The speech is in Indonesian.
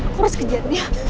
aku harus kejar dia